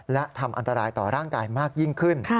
และทำอันตรายต่อร่างกายมากยิ่งขึ้น